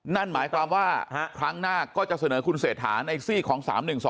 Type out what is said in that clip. นั่นหมายความว่าครั้งหน้าก็จะเสนอคุณเศรษฐาในซีกของ๓๑๒